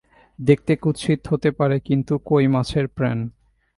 দেখতে কুৎসিত হতে পারে, কিন্ত কই মাছের প্রাণ।